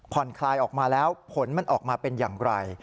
คลายออกมาแล้วผลมันออกมาเป็นอย่างไร